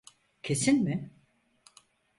Kesin mi?